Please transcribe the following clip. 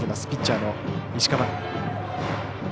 ピッチャーの石川。